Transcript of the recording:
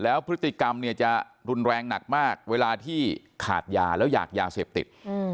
แล้วพฤติกรรมเนี่ยจะรุนแรงหนักมากเวลาที่ขาดยาแล้วอยากยาเสพติด